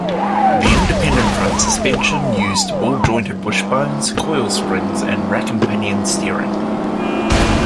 The independent front suspension used ball-jointed wishbones, coil springs and rack-and-pinion steering.